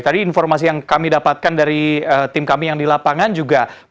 tadi informasi yang kami dapatkan dari tim kami yang di lapangan juga